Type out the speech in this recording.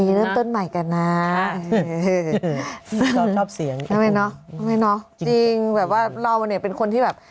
เริ่มต้นใหม่กันนะชอบเสียงใช่ไหมเนาะจริงแบบว่าเราเนี่ยเป็นคนที่แบบ